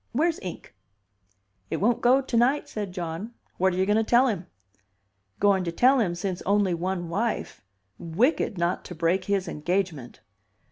Where's ink?" "It won't go to night," said John. "What are you going to tell him?" "Going to tell him, since only one wife, wicked not to break his engagement."